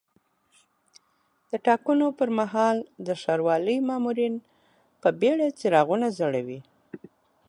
د ټاکنو پر مهال د ښاروالۍ مامورین په بیړه څراغونه ځړوي.